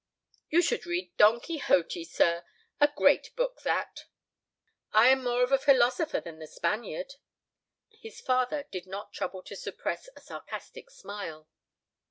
You should read Don Quixote, sir—a great book that." "I am more of a philosopher than the Spaniard." His father did not trouble to suppress a sarcastic smile.